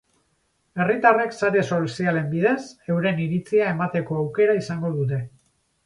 Herritarrek sare sozialen bidez euren iritzia emateko aukera izango dute.